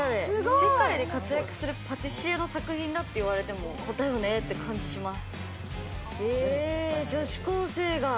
世界で活躍するパティシエの作品だって言われても、だよねって感じします。